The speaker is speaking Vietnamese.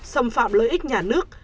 xâm phạm lợi ích nhà nước